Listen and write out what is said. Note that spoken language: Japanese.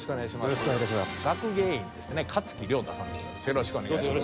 よろしくお願いします。